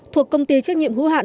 thuộc công ty trách nhiệm hữu hạn